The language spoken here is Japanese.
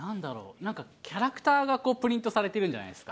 なんかキャラクターがこう、プリントされてるんじゃないですか。